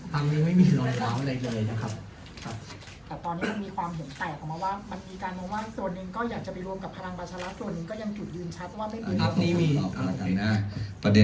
แต่ตอนนี้มันมีความเห็นแตกว่ามันมีการว่าตัวหนึ่งก็อยากจะไปร่วมกับพลังประชารักษ์ตัวหนึ่งก็ยังหยุดยืนชัดว่าไม่เป็น